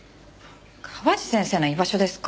河内先生の居場所ですか？